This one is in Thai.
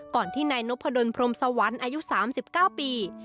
ที่นายนพดลพรมสวรรค์อายุ๓๙ปี